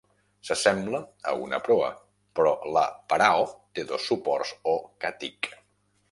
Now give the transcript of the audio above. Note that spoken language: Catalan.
S'assembla a una proa, però la "parao" té dos soports o "katig".